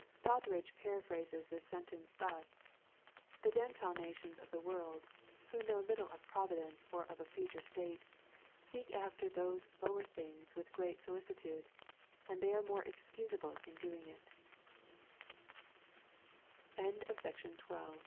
] Doddridge paraphrases this sentence thus, " The Gentile nations of the world, who know httle of Providence or of a future state, seek after all these lower things with great solicit tude ; and they are more excusable in doing it" LUKE XIL 3a 40. 83 Fear not, li